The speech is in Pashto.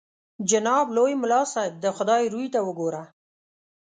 جناب لوی ملا صاحب د خدای روی ته وګوره.